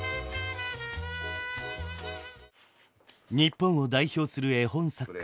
日本を代表する絵本作家